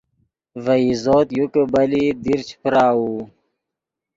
ڤے عزوت یو کہ بلئیت دیر چے پراؤو